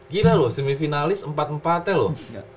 gila loh semifinalis empat empatnya loh